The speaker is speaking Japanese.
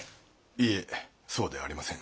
いいえそうではありません。